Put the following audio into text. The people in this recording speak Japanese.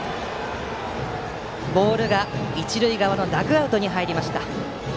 ボールが一塁側のダグアウトに入りました。